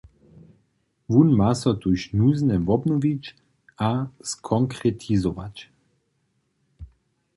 Wón ma so tuž nuznje wobnowić a skonkretizować.